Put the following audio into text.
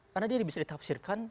karena dia bisa ditafsirkan